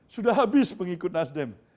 sudah habis pengikut nasdem